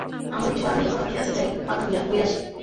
আমারও কিছু করার নেই, কলাম ঠিক আছে, যাই, মাগনা ঘুইরে আসি।